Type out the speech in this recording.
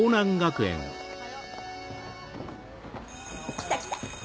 来た来た。